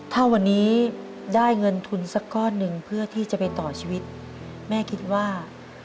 อยากไปต่อชีวิตแม่คิดว่า